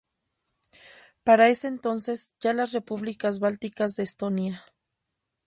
Para ese entonces, ya las repúblicas bálticas de Estonia.